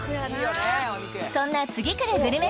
そんな次くるグルメ